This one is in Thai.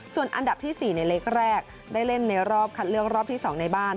ส่วนอันดับที่๔ในเล็กแรกได้เล่นในรอบคัดเลือกรอบที่๒ในบ้าน